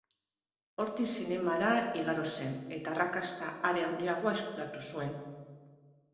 Hortik zinemara igaro zen, eta arrakasta are handiagoa eskuratu zuen.